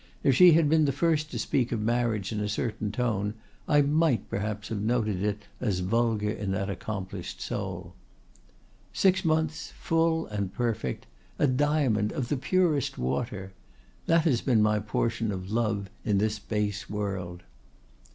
If she had been the first to speak of marriage in a certain tone, I might perhaps have noted it as vulgar in that accomplished soul. "Six months, full and perfect—a diamond of the purest water! That has been my portion of love in this base world.